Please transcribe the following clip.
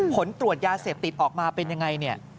ผลตรวจยาเสพติดออกมาเป็นยังไงเนี่ย